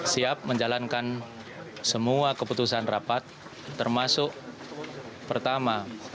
siap menjalankan semua keputusan rapat termasuk pertama